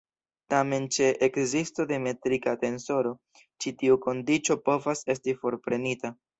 Tamen ĉe ekzisto de metrika tensoro ĉi tiu kondiĉo povas esti forprenita.